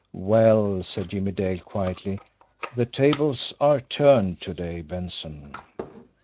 "Well," said Jimmie Dale quietly, "the tables are turned to day, Benson.